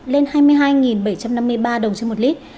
lên hai mươi hai bảy trăm năm mươi ba đồng trên một lít